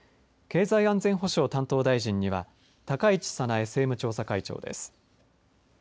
経済安全保障担当大臣には高市早苗政務調査会長です。